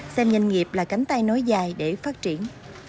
xem doanh nghiệp là cánh tay nối dài để phát triển